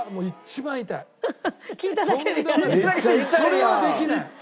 それはできない。